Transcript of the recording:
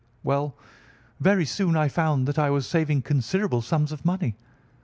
"Well, very soon I found that I was saving considerable sums of money.